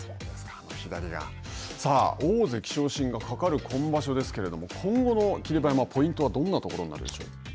大関昇進がかかる今場所ですけれども、今後の霧馬山、ポイントはどんなところになるでしょう。